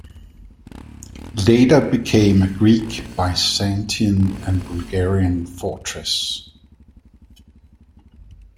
Later became a Greek-Byzantine and Bulgarian fortress.